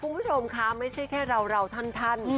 คุณผู้ชมคะไม่ใช่แค่เราท่าน